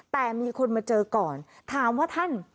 แต่มีคนมาเจอก่อนถามว่าท่าน